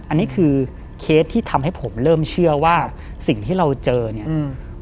อันนี้คือเคสที่ทำให้ผมเริ่มเชื่อว่าสิ่งที่เราเจอเนี้ยอืม